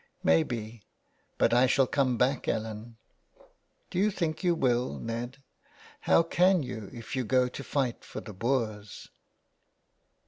''" Maybe ; but I shall come back, Ellen." " Do you think you will, Ned ? How can you if you go to fight for the Boers